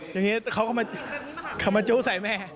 อย่างนี้เขาก็มาจู้ใส่แม่